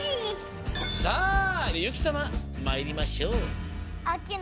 さあゆきさままいりましょう！